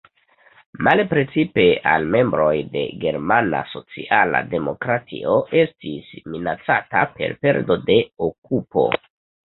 Male precipe al membroj de germana sociala demokratio estis minacata per perdo de okupo.